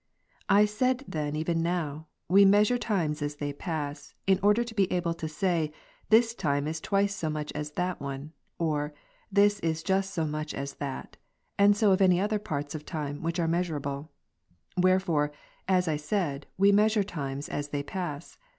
I said then even now, we measure times as they pass, in order to be able to say, this time is twice so much as that one ; or, this is just so much as that ; and so of any other parts of time, which be measurable. Wherefore, as I said, we measure times as they pass.